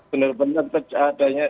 benar benar adanya zero accident ya